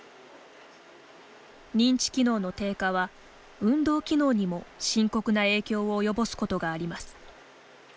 認知機能の低下は運動機能にも深刻な影響を及ぼすことがあります。